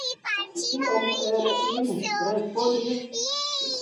Kiom el ili respondis?